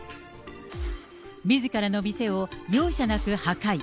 みずからの店を容赦なく破壊。